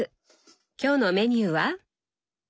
今日のメニューは？